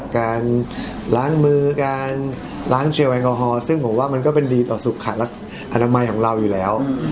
การล้างมือการล้างเจลแอลกอฮอลซึ่งผมว่ามันก็เป็นดีต่อสุขขาดอนามัยของเราอยู่แล้ว